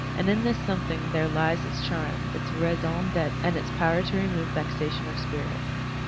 And in this something there lies its charm, its raison d'etre, and its power to remove vexation of spirit.